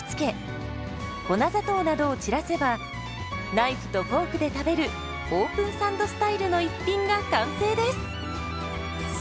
ナイフとフォークで食べるオープンサンドスタイルの一品が完成です。